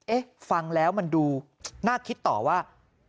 เอ๊ะฟังแล้วมันดูน่าคิดต่อว่า